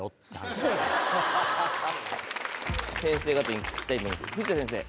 先生方に聞きたいと思います藤田先生。